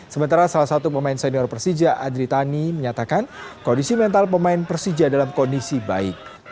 sementara salah satu pemain senior persija adritani menyatakan kondisi mental pemain persija dalam kondisi baik